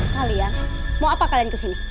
kalian mau apa kalian kesini